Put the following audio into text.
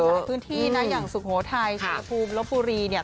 มีหลายพื้นที่นะอย่างศูนย์โหทัยเสียผู้โบรพูรีเนี่ย